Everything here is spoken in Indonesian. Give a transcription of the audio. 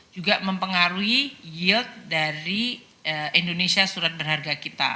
juga mempengaruhi yield dari indonesia surat berharga kita